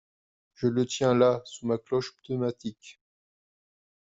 Je le tiens là sous ma cloche pneumatique!